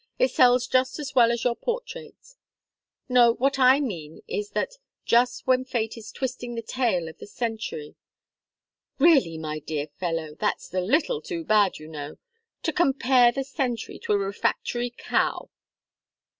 "It sells just as well as your portraits. No what I mean is that just when fate is twisting the tail of the century " "Really, my dear fellow that's a little too bad, you know! To compare the century to a refractory cow!"